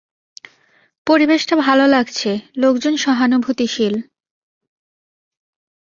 পরিবেশটা ভালো লাগছে, লোকজন সহানুভূতিশীল।